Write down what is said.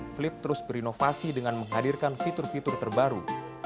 flip terus berinovasi dengan menghadirkan fitur fitur terbaru